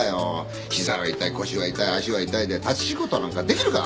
ひざは痛い腰は痛い足は痛いで立ち仕事なんかできるか！